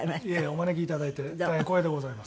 お招きいただいて大変光栄でございます。